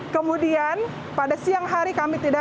kemudian pada siang hari kami tidak